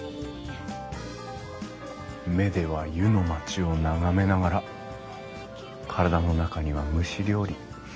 目では湯の町を眺めながら体の中には蒸し料理。